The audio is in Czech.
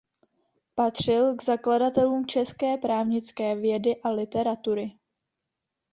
Patřil k zakladatelům české právnické vědy a literatury.